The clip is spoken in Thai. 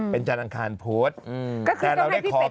เป็นจรรย์อังคารพุทธ